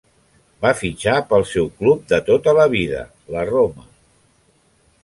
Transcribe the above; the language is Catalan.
Va fitxar pel seu club de tota la vida, la Roma.